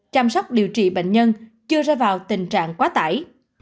chăm sóc điều trị bệnh nhân chưa ra vào tình trạng quá tải